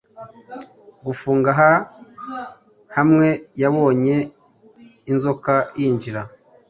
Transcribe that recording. Gufunga hai hamwe yabonye inzoka yinjira